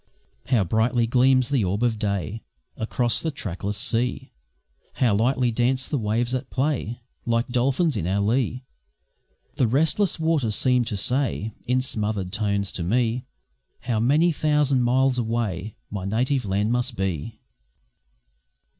How brightly gleams the orb of day Across the trackless sea! How lightly dance the waves that play Like dolphins in our lee! The restless waters seem to say, In smothered tones to me, How many thousand miles away My native land must be!